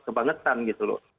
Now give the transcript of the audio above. kebangetan gitu loh